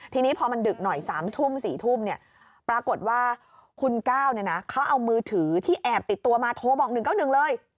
ทีนี้พอมันดึกหน่อย๓ทุ่ม๔ทุ่มเนี่ยปรากฏว่าคุณก้าวเขาเอามือถือที่แอบติดตัวมาโทรบอก๑๙๑เลย